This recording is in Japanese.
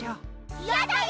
いやだよ！